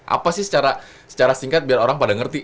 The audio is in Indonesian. apa sih secara singkat biar orang pada ngerti